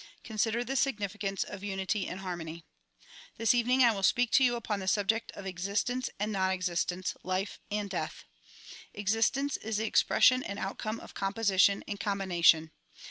Consider the significance of unity and hannony. This evening I will speak to you upon the subject of existence and non existence, life and death. Existence is the expression and outcome of composition and combination.